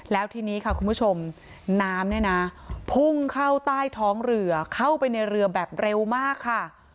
แล้วทีนี้ค่ะคุณผู้ชมน้ำเนี่ยนะพุ่งเข้าใต้ท้องเรือเข้าไปในเรือแบบเร็วมากค่ะ